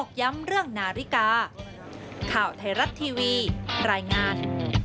ข่าวเทราะทีวีรายงาน